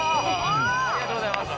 ありがとうございます。